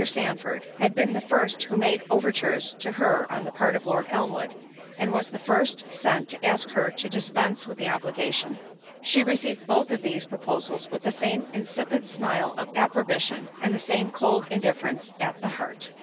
Sandford had been the first who made overtures to her on the part of Lord Elmwood, and was the first sent to ask her to dispense with the obligation.—She received both of these proposals with the same insipid smile of approbation, and the same cold indifference at the heart.